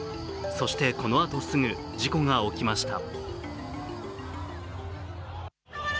そしてこのあとすぐ、事故が起きました。